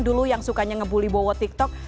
dulu yang sukanya ngebully bowo tiktok